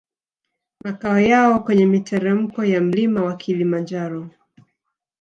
Makao yao kwenye miteremko ya mlima wa Kilimanjaro